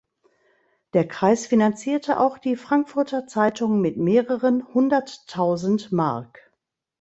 Der Kreis finanzierte auch die Frankfurter Zeitung mit mehreren hunderttausend Mark.